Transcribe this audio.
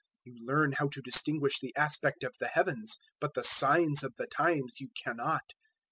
You learn how to distinguish the aspect of the heavens, but the signs of the times you cannot.